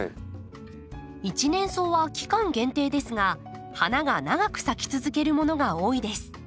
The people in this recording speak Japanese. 一年草は期間限定ですが花が長く咲き続けるものが多いです。